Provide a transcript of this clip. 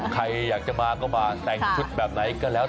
ใครอยากจะมาก็มาแต่งชุดแบบไหนก็แล้ว